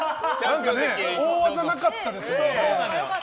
大技なかったですもんね。